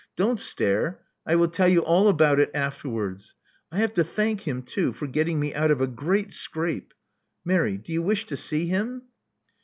Don't stare: I will tell you all about it afterwards. I have to thank him too, for getting me out of a great scrape. Mary: do you wish to see him?"